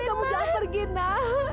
kamu jangan pergi nak